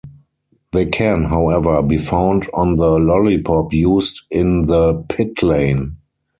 They can, however, be found on the lollipop used in the pitlane.